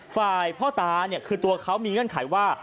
ฝ่ายพ่อตาเนี่ยคือตัวเขามีเงื่อนไขว่า